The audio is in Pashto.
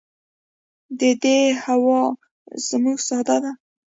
د دې هوا زموږ ساه ده